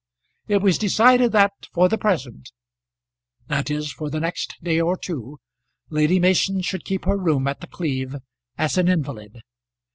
It was decided that for the present, that is for the next day or two, Lady Mason should keep her room at The Cleeve as an invalid.